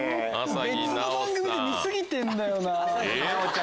別の番組で見過ぎてんだよな。